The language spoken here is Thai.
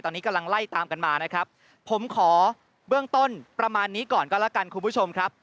ตอนนี้กำลังไล่ตามกันมานะครับผมขอเบื้องต้นประมาณนี้ก่อนก็แล้วกันคุณผู้ชมครับ